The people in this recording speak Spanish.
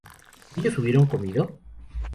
¿ellos hubieron comido?